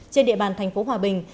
trên địa bàn thành phố hòa bình